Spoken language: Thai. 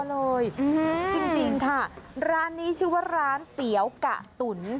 เลยจริงค่ะร้านนี้ชื่อว่าร้านเตี๋ยวกะตุ๋น